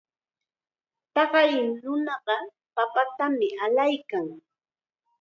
Taqay nunaqa papatam allaykan.